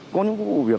có những vụ việc